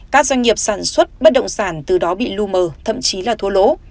các doanh nghiệp sản xuất bất động sản từ đó bị lưu mờ thậm chí là thua lỗ